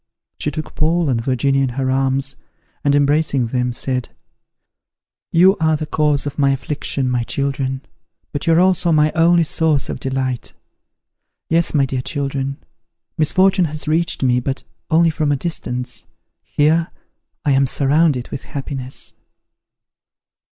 She took Paul and Virginia in her arms, and, embracing them, said, "You are the cause of my affliction, my children, but you are also my only source of delight! Yes, my dear children, misfortune has reached me, but only from a distance: here, I am surrounded with happiness."